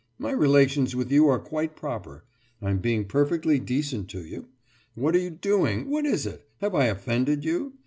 My relations with you are quite proper. I'm being perfectly decent to you. What are you doing? What is it? Have I offended you?